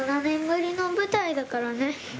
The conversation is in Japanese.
７年ぶりの舞台だからね。